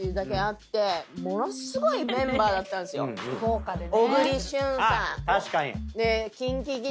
豪華でね。